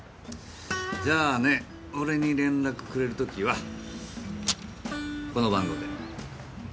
じゃあね俺に連絡くれる時はこの番号で。